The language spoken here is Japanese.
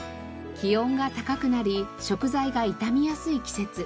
気温が高くなり食材が傷みやすい季節。